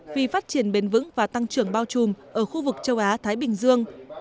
vì phát triển bền vững và tăng trưởng bao trùm ở khu vực châu á